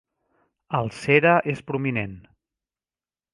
El cere és prominent.